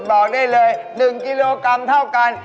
บอกได้เลย๑กิโลกรัมเท่ากัน